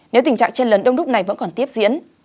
nếu tình trạng trên lần đông đúc này vẫn còn tiếp diễn